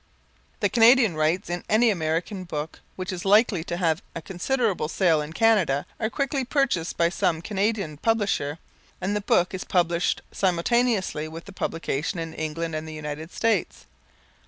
The Canadian rights in any American book which is likely to have a considerable sale in Canada are quickly purchased by some Canadian publisher, and the book is published simultaneously with the publication in England and the United States.